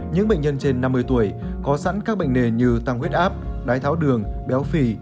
những bệnh nhân trên năm mươi tuổi có sẵn các bệnh nền như tăng huyết áp đái tháo đường béo phì